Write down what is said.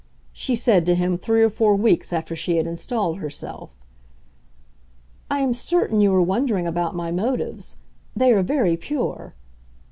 she said to him three or four weeks after she had installed herself. "I am certain you are wondering about my motives. They are very pure."